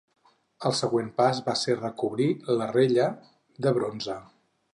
El següent pas va ser recobrir la rella de bronze.